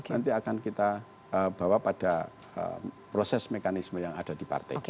nanti akan kita bawa pada proses mekanisme yang ada di partai